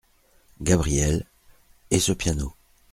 Gabrielle … et ce piano !